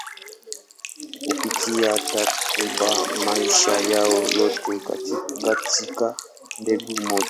Hupitia takriban maisha yao yote katika mbegu moja.